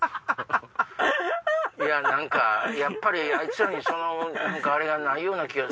いや何かやっぱりあいつらにそのあれがないような気がする。